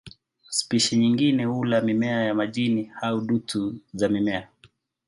Spishi nyingine hula mimea ya majini au dutu za mimea.